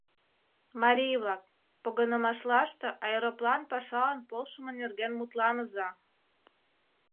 Марий-влак, погынымашлаште аэроплан пашалан полшымо нерген мутланыза.